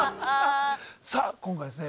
さあ今回ですね